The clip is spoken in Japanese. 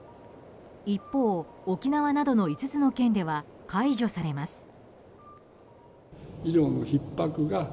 一方、沖縄などの５つの県では解除されます。